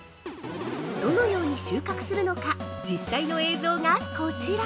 ◆どのように収穫するのか実際の映像が、こちら。